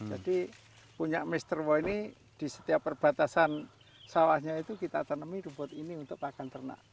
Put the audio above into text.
jadi punya mr wo ini di setiap perbatasan sawahnya itu kita tanami rumput ini untuk pakan ternak